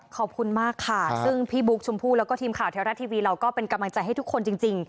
ขอบคุณมากค่ะซึ่งพี่บุ๊คชมพู่แล้วก็ทีมข่าวเทวรัฐทีวีเราก็เป็นกำลังใจให้ทุกคนจริง